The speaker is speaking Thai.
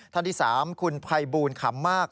ท่านที่๓คุณภัยบูลขำมาก